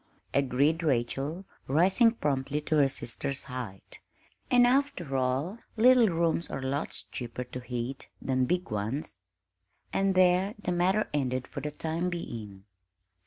agreed Rachel, rising promptly to her sister's height; "and, after all, little rooms are lots cheaper to heat than big ones." And there the matter ended for the time being.